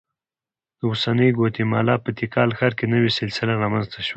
د اوسنۍ ګواتیمالا په تیکال ښار کې نوې سلسله رامنځته شوه